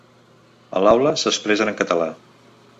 A l’aula s’expressen en català.